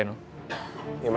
ini dapur harga gelar pak